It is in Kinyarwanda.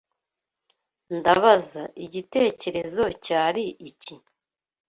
Ndabaza igitekerezo cyari iki.